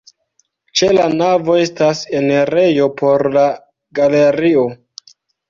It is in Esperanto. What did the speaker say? Ĉe la navo estas enirejo por la galerio.